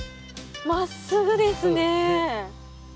まっすぐですね。